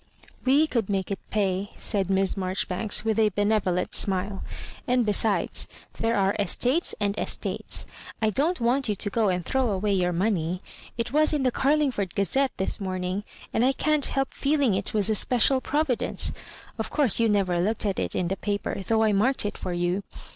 '*" We could make it pay," said Miss Marjori banks, with a benevolent smile, "and besides there are estates and estates. I don't want you to go and throw away your money. It was in the * Carlingford Gazette ' this mornmg, and I can't help feeling it was a special provi dence. Of course you never looked at it in the paper, though I marked it for you.